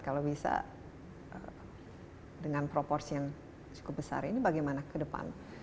kalau bisa dengan proporsi yang cukup besar ini bagaimana ke depan